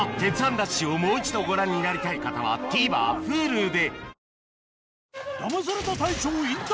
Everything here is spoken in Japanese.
ＤＡＳＨ‼』をもう一度ご覧になりたい方は ＴＶｅｒＨｕｌｕ で